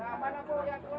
kamu serap ya